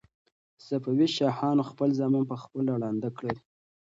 صفوي شاهانو خپل زامن په خپله ړانده کړل.